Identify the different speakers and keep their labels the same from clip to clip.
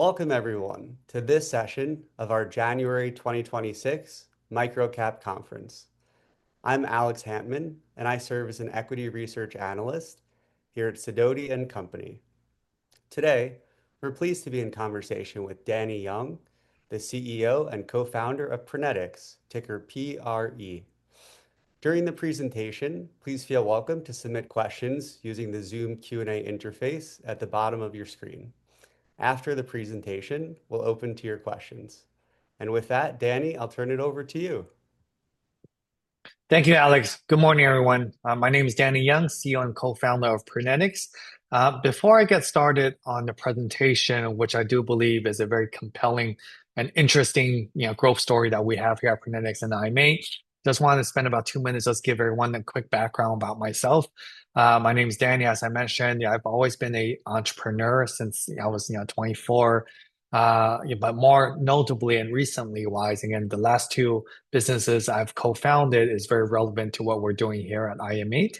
Speaker 1: Welcome, everyone, to this session of our January 2026 MicroCap conference. I'm Alex Hantman, and I serve as an equity research analyst here at Sidoti & Company. Today, we're pleased to be in conversation with Danny Yeung, the CEO and co-founder of Prenetics, ticker PRE. During the presentation, please feel welcome to submit questions using the Zoom Q&A interface at the bottom of your screen. After the presentation, we'll open to your questions. And with that, Danny, I'll turn it over to you.
Speaker 2: Thank you, Alex. Good morning, everyone. My name is Danny Yeung, CEO and co-founder of Prenetics. Before I get started on the presentation, which I do believe is a very compelling and interesting growth story that we have here at Prenetics and IM8, I just want to spend about two minutes. Let's give everyone a quick background about myself. My name is Danny. As I mentioned, I've always been an entrepreneur since I was 24, but more notably and recently wise. Again, the last two businesses I've co-founded are very relevant to what we're doing here at IM8.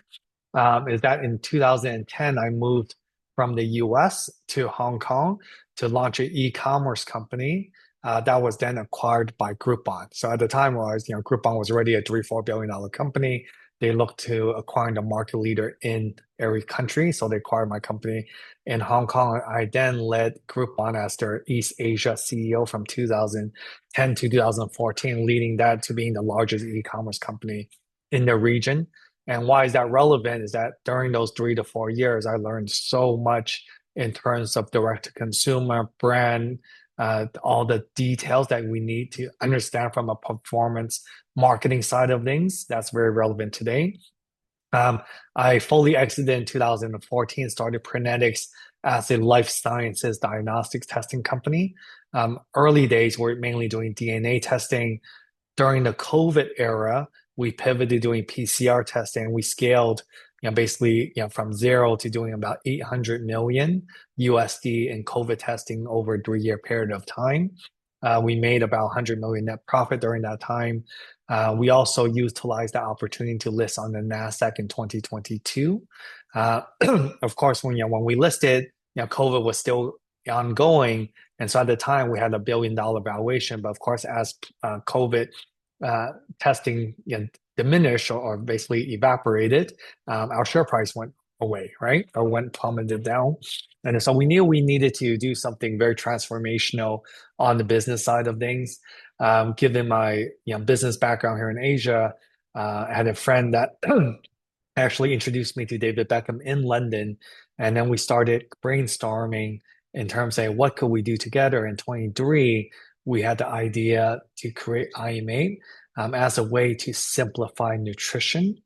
Speaker 2: That is, in 2010, I moved from the U.S. to Hong Kong to launch an e-commerce company that was then acquired by Groupon. So at the time, Groupon was already a $3-$4 billion company. They looked to acquiring a market leader in every country, so they acquired my company in Hong Kong. I then led Groupon as their East Asia CEO from 2010 to 2014, leading that to being the largest e-commerce company in the region. Why is that relevant? It was during those three to four years, I learned so much in terms of direct-to-consumer brand, all the details that we need to understand from a performance marketing side of things that's very relevant today. I fully exited in 2014, started Prenetics as a life sciences diagnostics testing company. Early days, we're mainly doing DNA testing. During the COVID era, we pivoted to doing PCR testing. We scaled basically from zero to doing about $800 million in COVID testing over a three-year period of time. We made about $100 million net profit during that time. We also utilized the opportunity to list on the Nasdaq in 2022. Of course, when we listed, COVID was still ongoing. At the time, we had a $1 billion valuation. But of course, as COVID testing diminished or basically evaporated, our share price went away, right? Or went plummeted down. We knew we needed to do something very transformational on the business side of things. Given my business background here in Asia, I had a friend that actually introduced me to David Beckham in London. Then we started brainstorming in terms of, hey, what could we do together? In 2023, we had the idea to create IM8 as a way to simplify nutrition.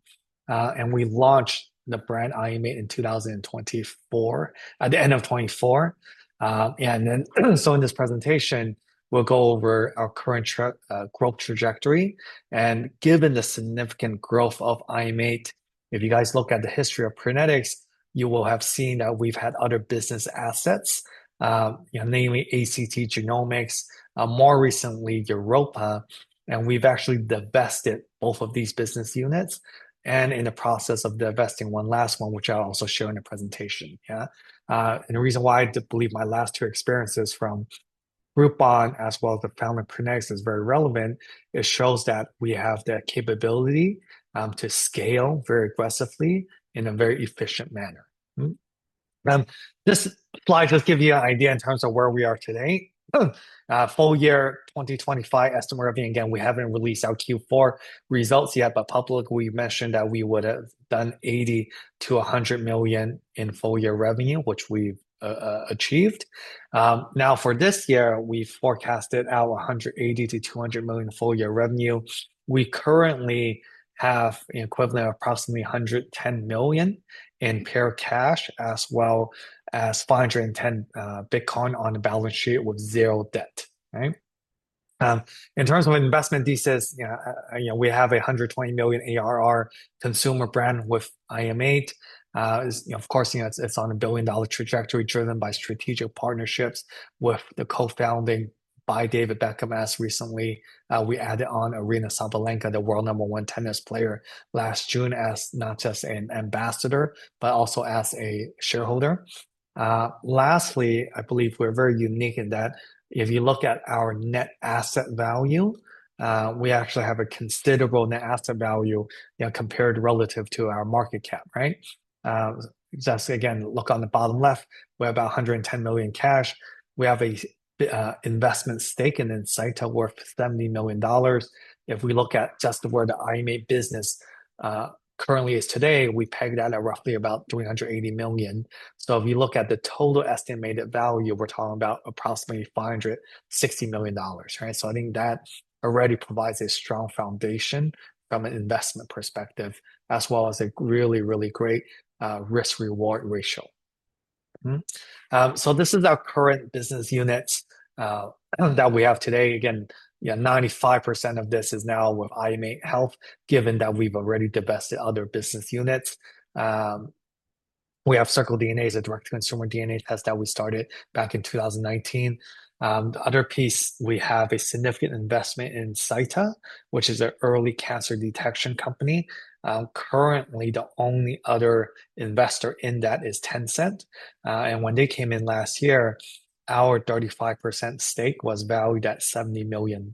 Speaker 2: We launched the brand IM8 in 2024, at the end of 2024. Then so in this presentation, we'll go over our current growth trajectory. Given the significant growth of IM8, if you guys look at the history of Prenetics, you will have seen that we've had other business assets, namely ACT Genomics, more recently, Europe. We've actually divested both of these business units and in the process of divesting one last one, which I'll also share in the presentation. The reason why I believe my last two experiences from Groupon, as well as the founding of Prenetics, is very relevant. It shows that we have the capability to scale very aggressively in a very efficient manner. This slide just gives you an idea in terms of where we are today. Full year 2025 estimate revenue, again, we haven't released our Q4 results yet, but publicly we mentioned that we would have done $80 million-$100 million in full year revenue, which we've achieved. Now, for this year, we forecasted our $180 million-$200 million full year revenue. We currently have an equivalent of approximately $110 million in pure cash, as well as 510 Bitcoin on the balance sheet with zero debt. In terms of investment thesis, we have a $120 million ARR consumer brand with IM8. Of course, it's on a billion-dollar trajectory driven by strategic partnerships with the co-founding by David Beckham. As recently, we added on Aryna Sabalenka, the world number one tennis player, last June as not just an ambassador, but also as a shareholder. Lastly, I believe we're very unique in that if you look at our net asset value, we actually have a considerable net asset value compared relative to our market cap. Just again, look on the bottom left, we have about $110 million cash. We have an investment stake in Insighta worth $70 million. If we look at just where the IM8 business currently is today, we peg that at roughly about $380 million. So, if you look at the total estimated value, we're talking about approximately $560 million. So, I think that already provides a strong foundation from an investment perspective, as well as a really, really great risk-reward ratio. So, this is our current business units that we have today. Again, 95% of this is now with IM8 Health, given that we've already divested other business units. We have CircleDNA, the direct-to-consumer DNA test that we started back in 2019. The other piece, we have a significant investment in Insighta, which is an early cancer detection company. Currently, the only other investor in that is Tencent. And when they came in last year, our 35% stake was valued at $70 million.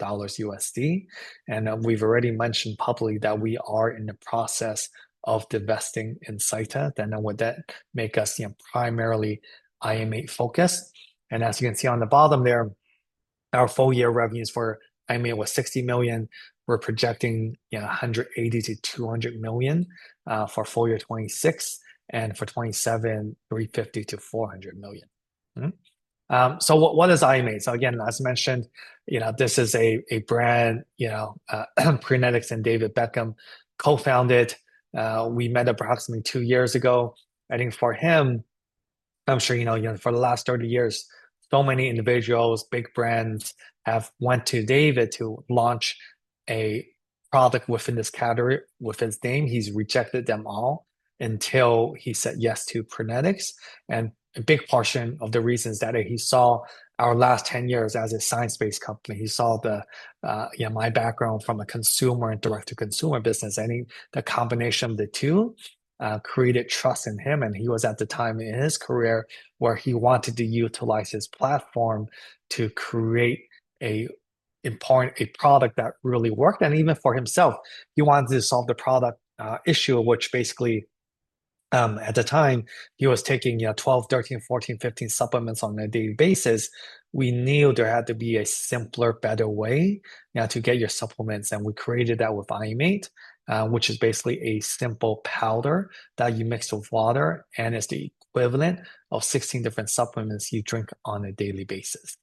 Speaker 2: We've already mentioned publicly that we are in the process of divesting in Insighta. Then with that, make us primarily IM8 focused. And as you can see on the bottom there, our full year revenues for IM8 was $60 million. We're projecting $180 million-$200 million for full year 2026 and for 2027, $350 million-$400 million. So what is IM8? So again, as mentioned, this is a brand Prenetics and David Beckham co-founded. We met approximately two years ago. I think for him, I'm sure for the last 30 years, so many individuals, big brands have went to David to launch a product within this category with his name. He's rejected them all until he said yes to Prenetics. And a big portion of the reason is that he saw our last 10 years as a science-based company. He saw my background from a consumer and direct-to-consumer business. I think the combination of the two created trust in him. And he was at the time in his career where he wanted to utilize his platform to create a product that really worked. And even for himself, he wanted to solve the product issue, which basically at the time, he was taking 12, 13, 14, 15 supplements on a daily basis. We knew there had to be a simpler, better way to get your supplements. And we created that with IM8, which is basically a simple powder that you mix with water and is the equivalent of 16 different supplements you drink on a daily basis.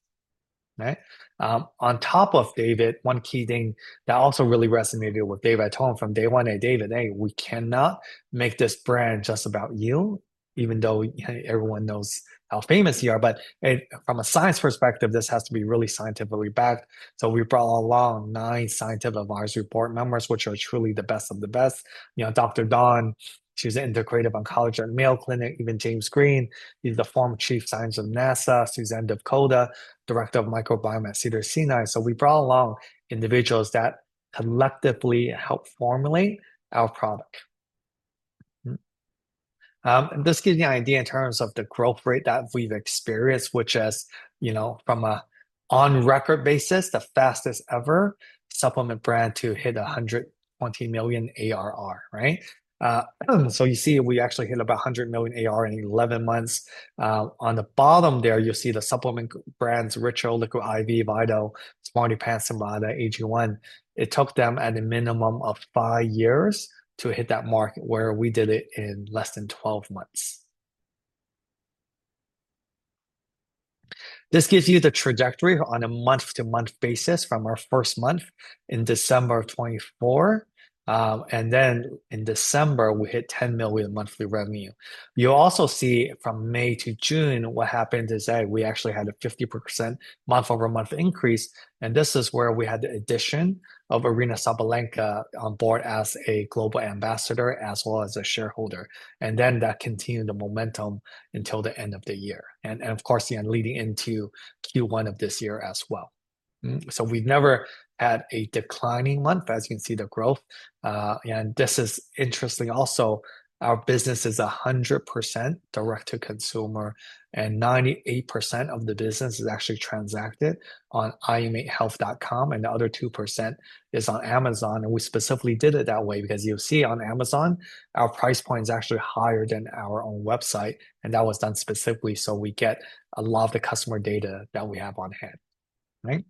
Speaker 2: On top of David, one key thing that also really resonated with David, I told him from day one, "Hey, David, hey, we cannot make this brand just about you," even though everyone knows how famous you are. But from a science perspective, this has to be really scientifically backed, so we brought along nine scientific advisory board members, which are truly the best of the best. Dr. Dawn, she's the integrative oncologist at Mayo Clinic. Even James Green, he's the former chief scientist of NASA. Suzanne Devkota, director of microbiome at Cedars-Sinai. So we brought along individuals that collectively helped formulate our product. This gives you an idea in terms of the growth rate that we've experienced, which is from an on-record basis, the fastest ever supplement brand to hit 120 million ARR. So you see, we actually hit about 100 million ARR in 11 months. On the bottom there, you'll see the supplement brands Ritual, Liquid I.V., Vital, SmartyPants, and AG1. It took them at a minimum of five years to hit that market where we did it in less than 12 months. This gives you the trajectory on a month-to-month basis from our first month in December of 2024, and then in December, we hit $10 million monthly revenue. You'll also see from May to June, what happened is that we actually had a 50% month-over-month increase, and this is where we had the addition of Aryna Sabalenka on board as a global ambassador as well as a shareholder. And then that continued the momentum until the end of the year, and of course, leading into Q1 of this year as well. So we've never had a declining month, as you can see the growth. And this is interesting also. Our business is 100% direct-to-consumer, and 98% of the business is actually transacted on im8health.com, and the other 2% is on Amazon. We specifically did it that way because you'll see on Amazon, our price point is actually higher than our own website. And that was done specifically so we get a lot of the customer data that we have on hand.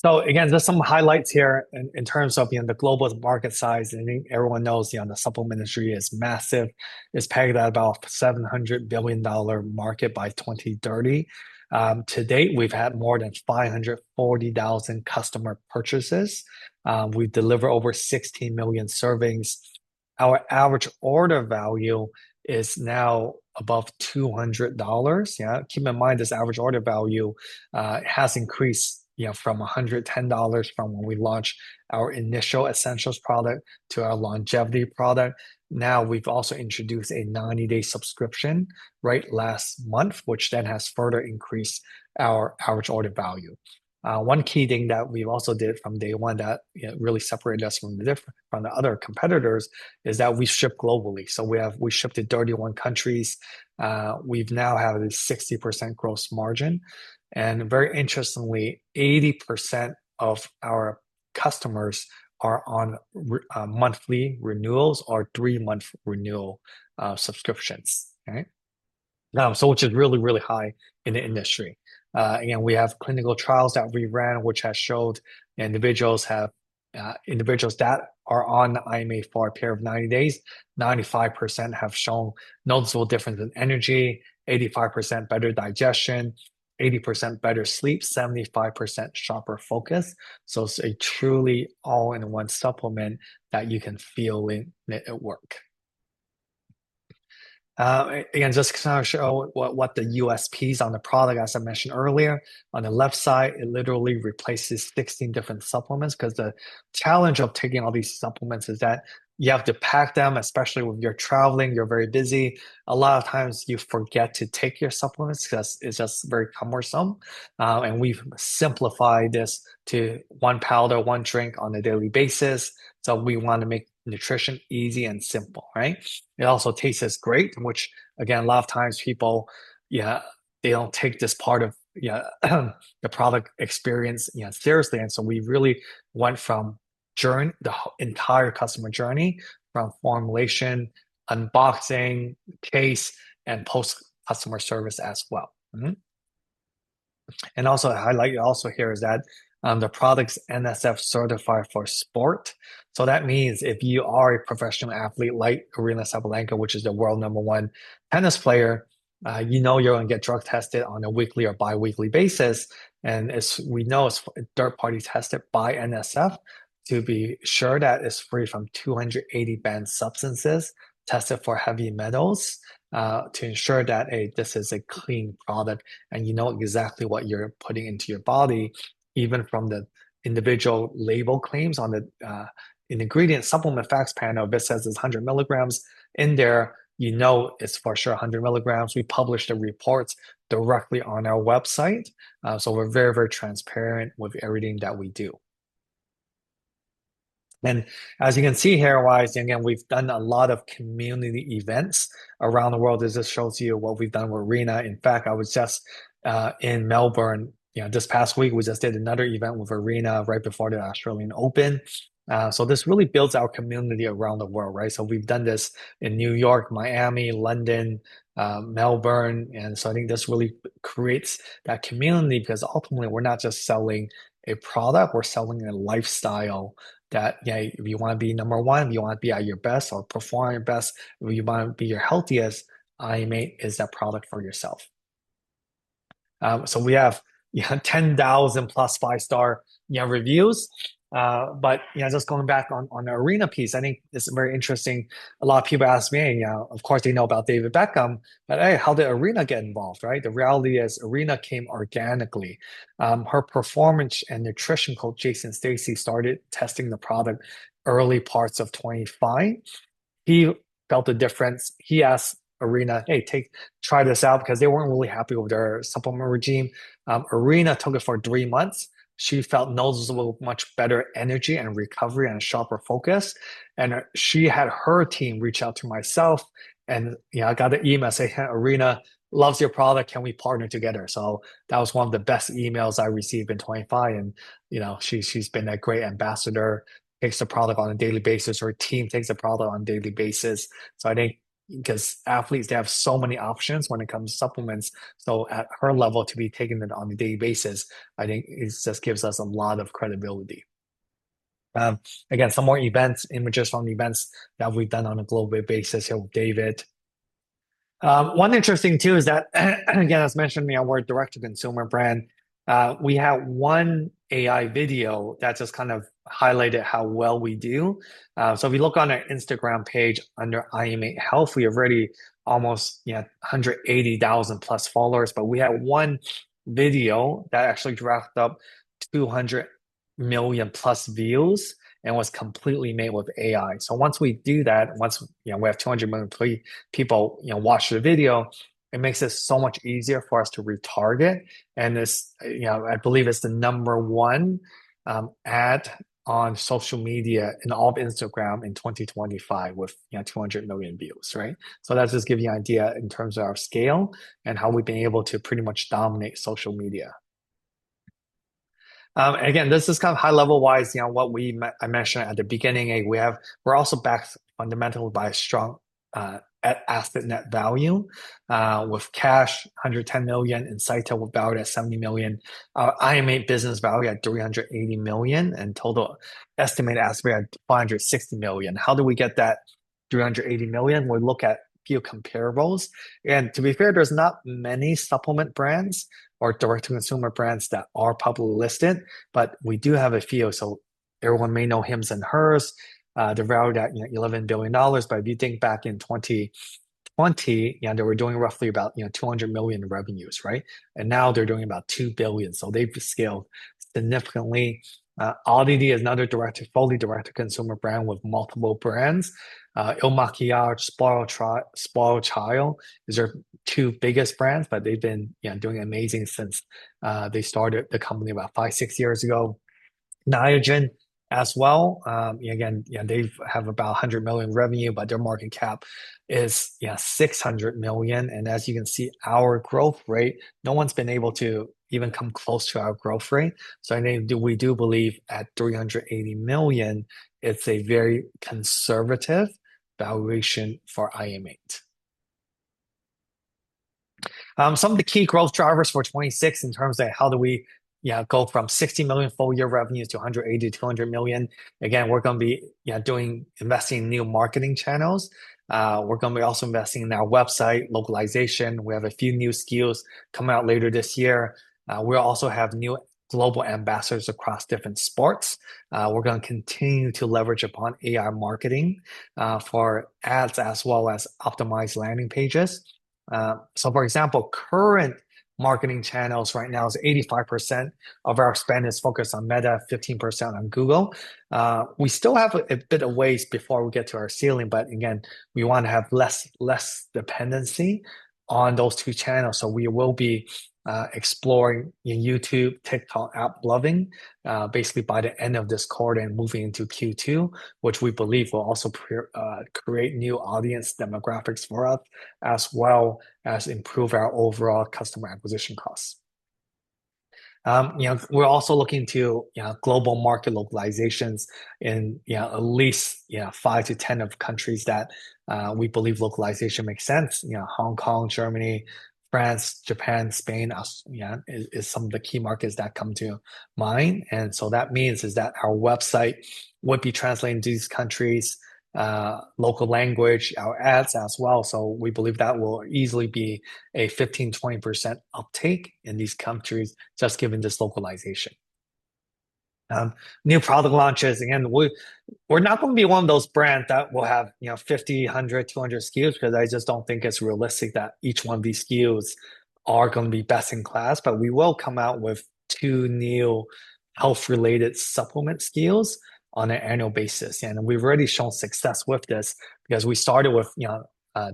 Speaker 2: So again, just some highlights here in terms of the global market size. I think everyone knows the supplement industry is massive. It's pegged at about $700 billion market by 2030. To date, we've had more than 540,000 customer purchases. We deliver over 16 million servings. Our average order value is now above $200. Keep in mind, this average order value has increased from $110 from when we launched our initial essentials product to our longevity product. Now we've also introduced a 90-day subscription right last month, which then has further increased our average order value. One key thing that we've also did from day one that really separated us from the other competitors is that we ship globally, so we ship to 31 countries. We now have a 60% gross margin, and very interestingly, 80% of our customers are on monthly renewals or three-month renewal subscriptions, which is really, really high in the industry. Again, we have clinical trials that we ran, which has showed individuals that are on the IM8 for a period of 90 days: 95% have shown noticeable difference in energy, 85% better digestion, 80% better sleep, 75% sharper focus. So it's a truly all-in-one supplement that you can feel it work. Again, just to kind of show what the USPs on the product are, as I mentioned earlier, on the left side, it literally replaces 16 different supplements because the challenge of taking all these supplements is that you have to pack them, especially when you're traveling, you're very busy. A lot of times, you forget to take your supplements because it's just very cumbersome. And we've simplified this to one powder, one drink on a daily basis. So we want to make nutrition easy and simple. It also tastes great, which again, a lot of times people, they don't take this part of the product experience seriously. And so we really went from the entire customer journey from formulation, unboxing, taste, and post-customer service as well. And also, I'd like to highlight that the product is NSF Certified for Sport. So that means if you are a professional athlete like Aryna Sabalenka, which is the world number one tennis player, you know you're going to get drug tested on a weekly or biweekly basis. And we know it's third-party tested by NSF to be sure that it's free from 280 banned substances, tested for heavy metals to ensure that this is a clean product and you know exactly what you're putting into your body. Even from the individual label claims on the ingredient supplement facts panel, this says it's 100 milligrams. In there, you know it's for sure 100 milligrams. We published the reports directly on our website. So we're very, very transparent with everything that we do. And as you can see here, again, we've done a lot of community events around the world. This shows you what we've done with Aryna. In fact, I was just in Melbourne this past week. We just did another event with Aryna right before the Australian Open. So this really builds our community around the world. So we've done this in New York, Miami, London, Melbourne. And so I think this really creates that community because ultimately, we're not just selling a product. We're selling a lifestyle that if you want to be number one, if you want to be at your best or perform at your best, if you want to be your healthiest, IM8 is that product for yourself. So we have 10,000 plus five-star reviews. But just going back on the Aryna piece, I think it's very interesting. A lot of people ask me, of course, they know about David Beckham, but hey, how did Aryna get involved? The reality is Aryna came organically. Her performance and nutrition coach, Jason Stacy, started testing the product early parts of 2025. He felt the difference. He asked Aryna, "Hey, try this out," because they weren't really happy with their supplement regimen. Aryna took it for three months. She felt noticeably much better energy and recovery and sharper focus, and she had her team reach out to myself. I got an email saying, "Aryna loves your product. Can we partner together?" That was one of the best emails I received in 2025, and she's been a great ambassador, takes the product on a daily basis. Her team takes the product on a daily basis. I think because athletes, they have so many options when it comes to supplements. At her level, to be taking it on a daily basis, I think it just gives us a lot of credibility. Again, some more events, images from events that we've done on a global basis here with David. One interesting thing too is that, again, as mentioned, we are a direct-to-consumer brand. We have one AI video that just kind of highlighted how well we do. So if you look on our Instagram page under IM8 Health, we have already almost 180,000-plus followers. But we have one video that actually racked up 200 million-plus views and was completely made with AI. So once we do that, once we have 200 million people watch the video, it makes it so much easier for us to retarget. And I believe it's the number one ad on social media and all of Instagram in 2025 with 200 million views. So that just gives you an idea in terms of our scale and how we've been able to pretty much dominate social media. Again, this is kind of high-level-wise what I mentioned at the beginning. We're also backed fundamentally by strong net asset value with cash, $110 million in Insighta valued at $70 million, IM8 business valued at $380 million, and total estimated asset value at $560 million. How do we get that $380 million? We look at a few comparables. And to be fair, there's not many supplement brands or direct-to-consumer brands that are publicly listed, but we do have a few. So everyone may know Hims and Hers. They're valued at $11 billion. But if you think back in 2020, they were doing roughly about $200 million revenues. And now they're doing about $2 billion. So they've scaled significantly. ODDITY is another direct-to-fully direct-to-consumer brand with multiple brands. Il Makiage, SpoiledChild is their two biggest brands, but they've been doing amazing since they started the company about five, six years ago. Niagen, as well. Again, they have about $100 million revenue, but their market cap is $600 million. And as you can see, our growth rate, no one's been able to even come close to our growth rate. So I think we do believe at $380 million, it's a very conservative valuation for IM8. Some of the key growth drivers for 2026 in terms of how do we go from $60 million full-year revenues to $180-$200 million. Again, we're going to be investing in new marketing channels. We're going to be also investing in our website localization. We have a few new SKUs coming out later this year. We also have new global ambassadors across different sports. We're going to continue to leverage upon AI marketing for ads as well as optimized landing pages. So, for example, current marketing channels right now is 85% of our spend is focused on Meta, 15% on Google. We still have a bit of ways before we get to our ceiling, but again, we want to have less dependency on those two channels. So we will be exploring YouTube, TikTok AppLovin basically by the end of this quarter and moving into Q2, which we believe will also create new audience demographics for us as well as improve our overall customer acquisition costs. We're also looking to global market localizations in at least five to 10 of countries that we believe localization makes sense. Hong Kong, Germany, France, Japan, Spain is some of the key markets that come to mind. And so that means is that our website would be translating to these countries' local language, our ads as well. So we believe that will easily be a 15%-20% uptake in these countries just given this localization. New product launches. Again, we're not going to be one of those brands that will have 50, 100, 200 SKUs because I just don't think it's realistic that each one of these SKUs are going to be best in class, but we will come out with two new health-related supplement SKUs on an annual basis. And we've already shown success with this because we started with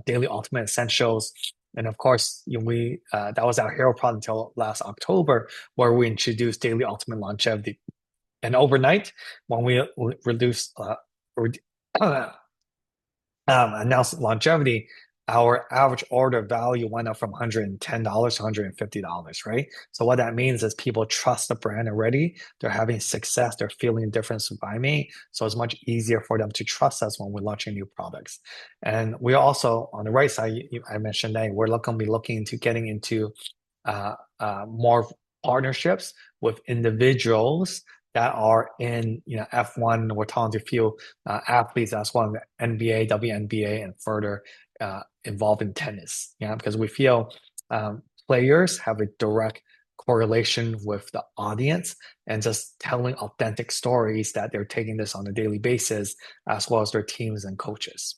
Speaker 2: Daily Ultimate Essentials. And of course, that was our hero product until last October where we introduced Daily Ultimate Longevity. And overnight, when we announced longevity, our average order value went up from $110-$150. So what that means is people trust the brand already. They're having success. They're feeling a difference by me. So it's much easier for them to trust us when we launch new products. And we also, on the right side, I mentioned that we're going to be looking into getting into more partnerships with individuals that are in F1 or talented field athletes as well in the NBA, WNBA, and further involved in tennis because we feel players have a direct correlation with the audience and just telling authentic stories that they're taking this on a daily basis as well as their teams and coaches.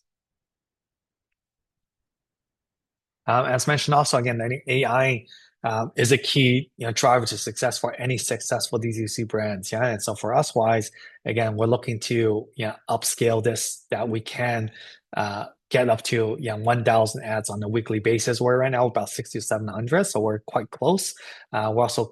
Speaker 2: As mentioned also, again, AI is a key driver to success for any successful DTC brands. And so for us with AI's, again, we're looking to upscale it so that we can get up to 1,000 ads on a weekly basis. We're right now about 6,700, so we're quite close. We're also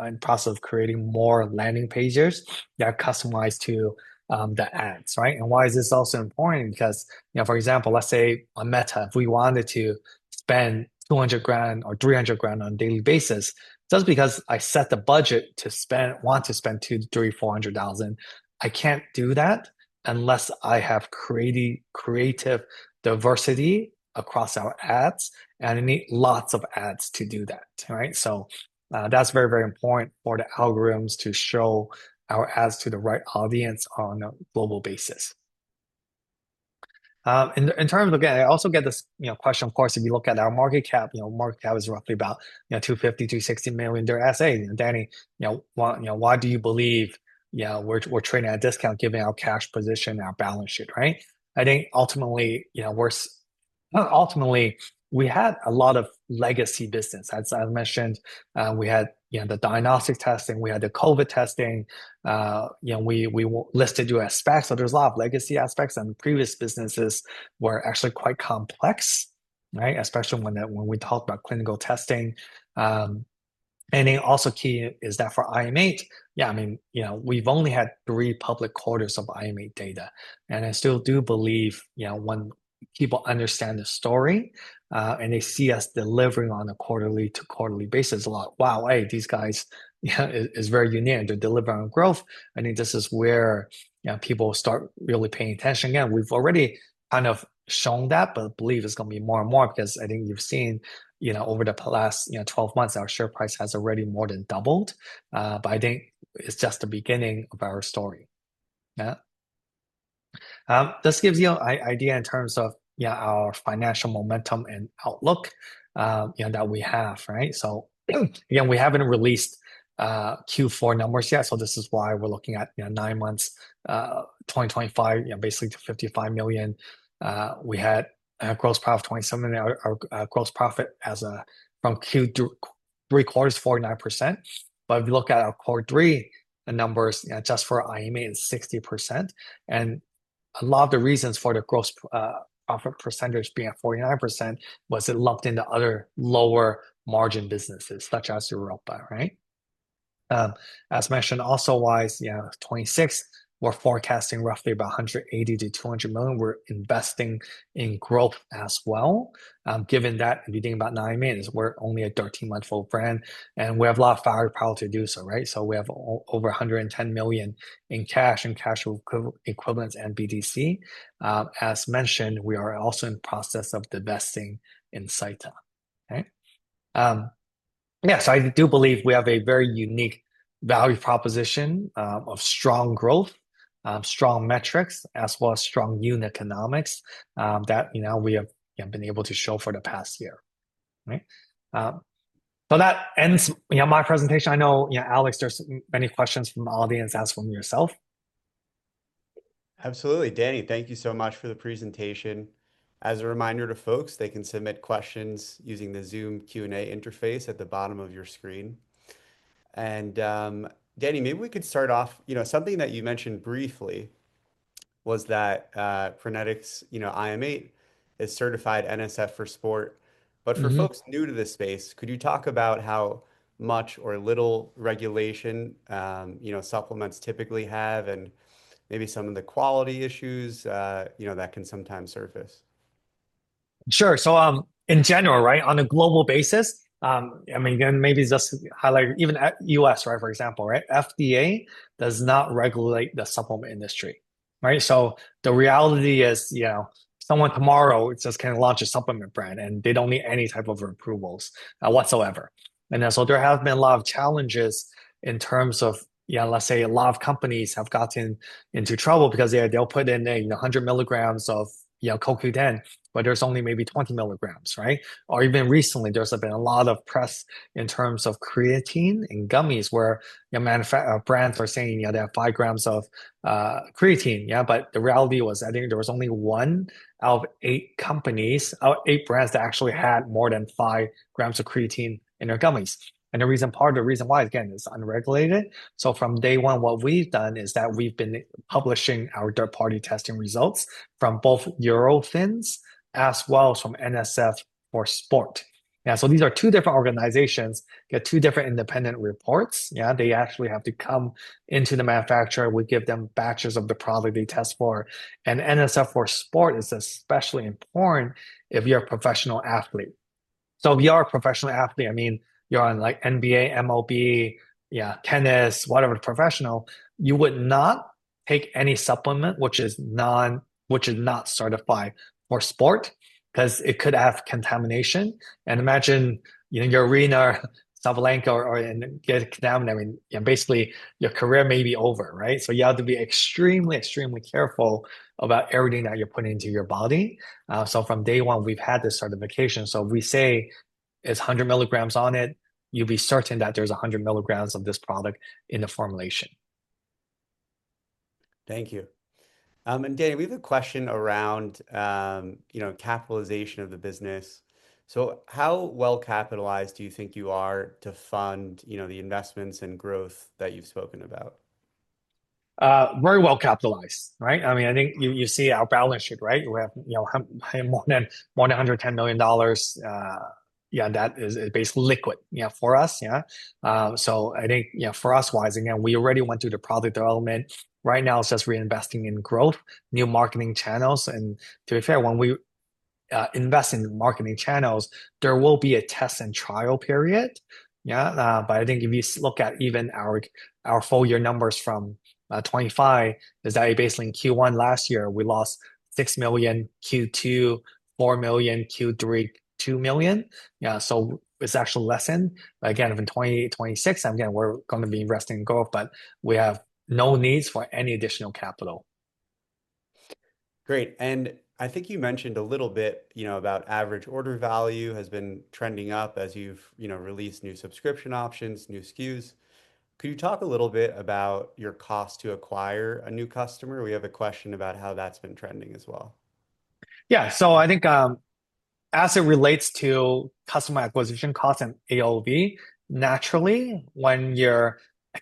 Speaker 2: in the process of creating more landing pages that are customized to the ads. And why is this also important? Because, for example, let's say on Meta, if we wanted to spend $200,000 or $300,000 on a daily basis, just because I set the budget to spend, want to spend $200,000, $300,000, $400,000, I can't do that unless I have creative diversity across our ads. And I need lots of ads to do that. So that's very, very important for the algorithms to show our ads to the right audience on a global basis. In terms of, again, I also get this question, of course, if you look at our market cap, market cap is roughly about $250-$260 million. They're asking, "Danny, why do you believe we're trading at a discount given our cash position, our balance sheet?" I think ultimately, we had a lot of legacy business. As I mentioned, we had the diagnostic testing. We had the COVID testing. We listed U.S. SPACs. So there's a lot of legacy aspects. And previous businesses were actually quite complex, especially when we talked about clinical testing. And also key is that for IM8, yeah, I mean, we've only had three public quarters of IM8 data. And I still do believe when people understand the story and they see us delivering on a quarterly to quarterly basis a lot, wow, hey, these guys is very unique. They're delivering on growth. I think this is where people start really paying attention. Again, we've already kind of shown that, but I believe it's going to be more and more because I think you've seen over the past 12 months, our share price has already more than doubled. But I think it's just the beginning of our story. This gives you an idea in terms of our financial momentum and outlook that we have. So again, we haven't released Q4 numbers yet. So this is why we're looking at nine months, 2025, basically to $55 million. We had a gross profit of $27 million. Our gross profit from Q3 quarter is 49%. But if you look at our quarter three, the numbers just for IM8 is 60%. And a lot of the reasons for the gross profit percentage being at 49% was it lumped into other lower margin businesses such as Europe. As mentioned, also FY2026, we're forecasting roughly about $180 million-$200 million. We're investing in growth as well. Given that, if you think about nine months, we're only a 13-month-old brand, and we have a lot of firepower to do so, so we have over $110 million in cash and cash equivalents and BTC. As mentioned, we are also in the process of divesting in Insighta. Yeah, so I do believe we have a very unique value proposition of strong growth, strong metrics, as well as strong unit economics that we have been able to show for the past year. So that ends my presentation. I know, Alex, there's many questions from the audience, ask them yourself.
Speaker 1: Absolutely. Danny, thank you so much for the presentation. As a reminder to folks, they can submit questions using the Zoom Q&A interface at the bottom of your screen. Danny, maybe we could start off. Something that you mentioned briefly was that Prenetics IM8 is certified NSF for sport. But for folks new to this space, could you talk about how much or little regulation supplements typically have and maybe some of the quality issues that can sometimes surface?
Speaker 2: Sure. So in general, on a global basis, I mean, maybe just highlight even U.S., for example, FDA does not regulate the supplement industry. So the reality is someone tomorrow just can launch a supplement brand, and they don't need any type of approvals whatsoever. And so there have been a lot of challenges in terms of, let's say, a lot of companies have gotten into trouble because they'll put in 100 milligrams of CoQ10, but there's only maybe 20 milligrams. Or even recently, there's been a lot of press in terms of creatine in gummies where brands are saying they have five grams of creatine. But the reality was, I think there was only one out of eight companies, eight brands that actually had more than five grams of creatine in their gummies. And the reason part of the reason why, again, is unregulated. So from day one, what we've done is that we've been publishing our third-party testing results from both Eurofins as well as from NSF Certified for Sport. So these are two different organizations, two different independent reports. They actually have to come into the manufacturer. We give them batches of the product they test for. And NSF Certified for Sport is especially important if you're a professional athlete. If you are a professional athlete, I mean, you're on NBA, MLB, tennis, whatever professional, you would not take any supplement which is not certified for sport because it could have contamination. And imagine your Aryna Sabalenka or get contaminated. Basically, your career may be over. You have to be extremely, extremely careful about everything that you're putting into your body. From day one, we've had this certification. If we say it's 100 milligrams on it, you'll be certain that there's 100 milligrams of this product in the formulation.
Speaker 1: Thank you. And Danny, we have a question around capitalization of the business. How well capitalized do you think you are to fund the investments and growth that you've spoken about?
Speaker 2: Very well capitalized. I mean, I think you see our balance sheet. We have more than $110 million. That is basically liquid for us. So I think for us, wise, again, we already went through the product development. Right now, it's just reinvesting in growth, new marketing channels. And to be fair, when we invest in marketing channels, there will be a test and trial period. But I think if you look at even our full-year numbers from 2025, is that basically in Q1 last year, we lost $6 million, Q2, $4 million, Q3, $2 million. So it's actually lessened. Again, in 2026, again, we're going to be investing in growth, but we have no needs for any additional capital.
Speaker 1: Great. And I think you mentioned a little bit about average order value has been trending up as you've released new subscription options, new SKUs. Could you talk a little bit about your cost to acquire a new customer? We have a question about how that's been trending as well.
Speaker 2: Yeah. So I think as it relates to customer acquisition costs and AOV, naturally, when your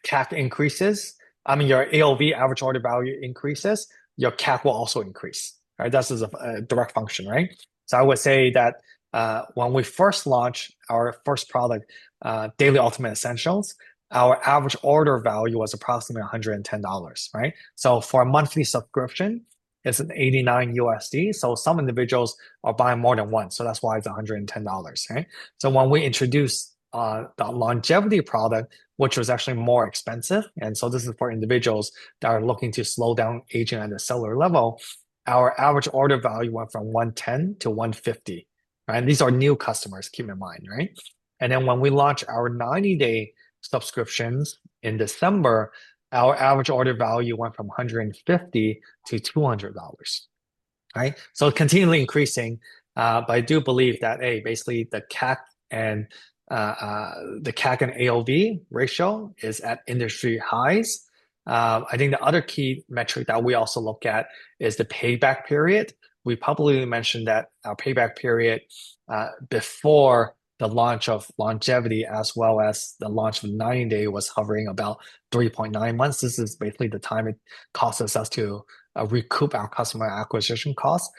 Speaker 2: CAC increases, I mean, your AOV, average order value increases, your CAC will also increase. That's a direct function. So I would say that when we first launched our first product, Daily Ultimate Essentials, our average order value was approximately $110. So for a monthly subscription, it's $89. So some individuals are buying more than one. So that's why it's $110. So when we introduced the longevity product, which was actually more expensive, and so this is for individuals that are looking to slow down aging at a cellular level, our average order value went from $110 to $150. These are new customers, keep in mind, and then when we launched our 90-day subscriptions in December, our average order value went from $150 to $200. So it's continually increasing. But I do believe that, A, basically, the CAC and AOV ratio is at industry highs. I think the other key metric that we also look at is the payback period. We probably mentioned that our payback period before the launch of longevity as well as the launch of 90-day was hovering about 3.9 months. This is basically the time it costs us to recoup our customer acquisition costs.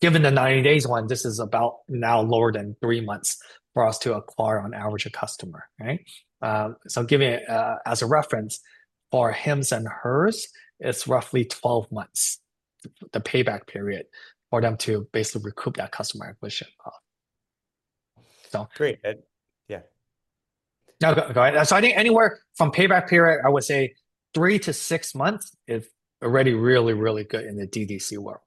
Speaker 2: Given the 90-days one, this is about now lower than three months for us to acquire on average a customer. So giving it as a reference for Hims and Hers, it's roughly 12 months the payback period for them to basically recoup that customer acquisition cost.
Speaker 1: Great. Yeah.
Speaker 2: So I think anywhere from payback period, I would say three to six months is already really, really good in the DTC world.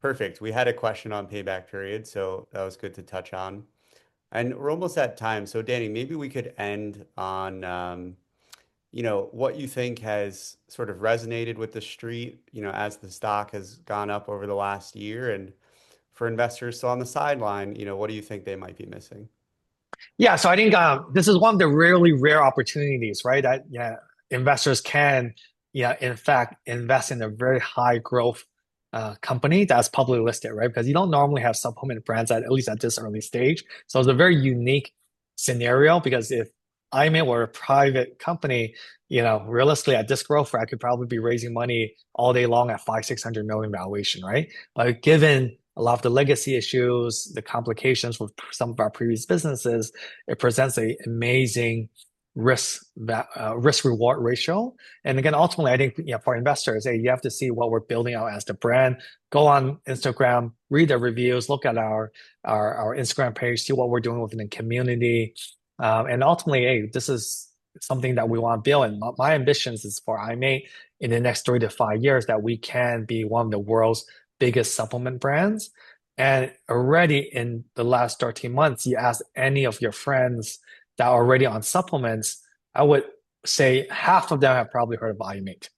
Speaker 1: Perfect. We had a question on payback period, so that was good to touch on. And we're almost at time. So Danny, maybe we could end on what you think has sort of resonated with the street as the stock has gone up over the last year and for investors. So on the sideline, what do you think they might be missing?
Speaker 2: Yeah. So I think this is one of the really rare opportunities. Investors can, in fact, invest in a very high-growth company that's publicly listed because you don't normally have supplement brands at least at this early stage. So it's a very unique scenario because if I'm at a private company, realistically, at this growth, I could probably be raising money all day long at $500-600 million valuation. Given a lot of the legacy issues, the complications with some of our previous businesses, it presents an amazing risk-reward ratio. Again, ultimately, I think for investors, you have to see what we're building out as the brand. Go on Instagram, read the reviews, look at our Instagram page, see what we're doing within the community. Ultimately, this is something that we want to build. My ambition is for IM8 in the next three to five years that we can be one of the world's biggest supplement brands. Already in the last 13 months, you ask any of your friends that are already on supplements, I would say half of them have probably heard of IM8.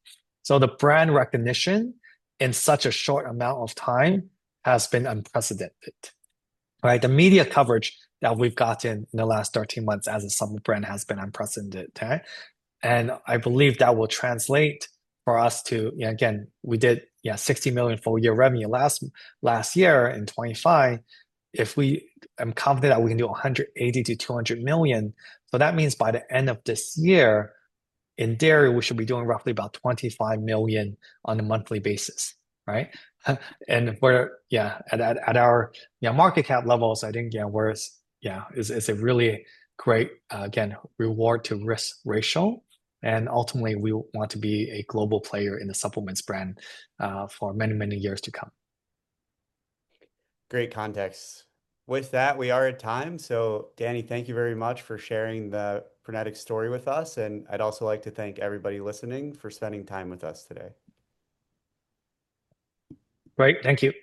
Speaker 2: The brand recognition in such a short amount of time has been unprecedented. The media coverage that we've gotten in the last 13 months as a supplement brand has been unprecedented. And I believe that will translate for us to, again, we did $60 million full-year revenue last year in 2025. I'm confident that we can do $180 million-$200 million. So that means by the end of this year, in D2C, we should be doing roughly about $25 million on a monthly basis. And at our market cap levels, I think it's a really great, again, reward to risk ratio. And ultimately, we want to be a global player in the supplements brand for many, many years to come.
Speaker 1: Great context. With that, we are at time. So Danny, thank you very much for sharing the Prenetics story with us. And I'd also like to thank everybody listening for spending time with us today.
Speaker 2: Great. Thank you.